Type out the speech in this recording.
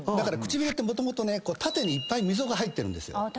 唇ってもともと縦にいっぱい溝が入ってるんですよ。